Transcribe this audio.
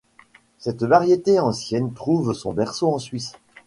Cette variété ancienne trouve son berceau en Suisse.